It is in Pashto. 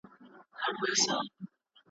او که دي زړه سو هېرولای می سې ,